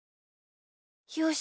よし。